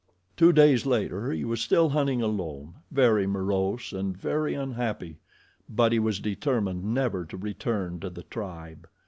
Two days later he was still hunting alone very morose and very unhappy; but he was determined never to return to the tribe.